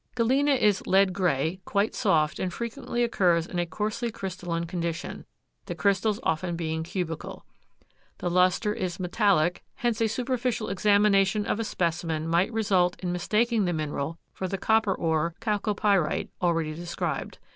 Galena is lead gray, quite soft, and frequently occurs in a coarsely crystalline condition, the crystals often being cubical. The luster is metallic, hence a superficial examination of a specimen might result in mistaking the mineral for the copper ore, chalcopyrite, already described.